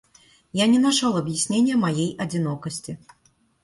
Я не нашёл объяснения моей одинокости.